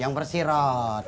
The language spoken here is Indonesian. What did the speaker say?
yang bersih rod